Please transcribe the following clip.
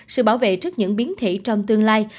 sự bảo vệ trước những biến thể trong tương lai